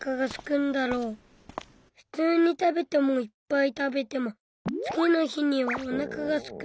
ふつうにたべてもいっぱいたべても次の日にはおなかがすく。